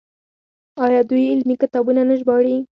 آیا دوی علمي کتابونه نه ژباړي؟